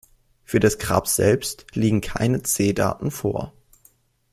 Für das Grab selbst liegen keine C-Daten vor.